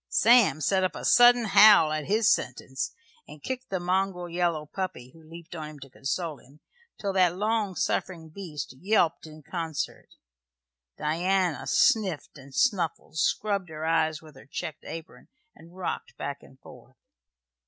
Sam set up a sudden howl at his sentence, and kicked the mongrel yellow puppy, who leaped on him to console him, till that long suffering beast yelped in concert. Diana sniffed and snuffled, scrubbed her eyes with her checked apron, and rocked back and forth.